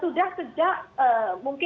sudah sejak mungkin